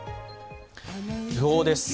訃報です。